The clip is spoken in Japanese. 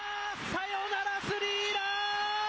サヨナラスリーラン。